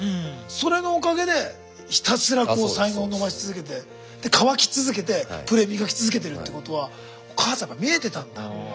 それのおかげでひたすら才能を伸ばし続けて渇き続けてプレーを磨き続けてるってことはお母さんやっぱ見えてたんだ。